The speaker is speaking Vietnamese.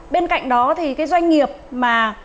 bên cạnh đó thì cái doanh nghiệp mà